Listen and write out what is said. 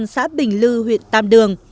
xã bình lư huyện tam đường